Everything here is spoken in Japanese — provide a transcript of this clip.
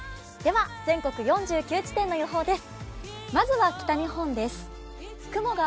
全国４９地点の予報です。